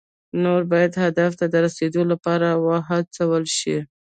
نور باید هدف ته د رسیدو لپاره وهڅول شي.